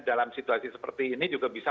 dalam situasi seperti ini juga bisa